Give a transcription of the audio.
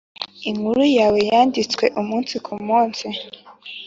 inkuru yawe yanditswe umunsi kumunsi.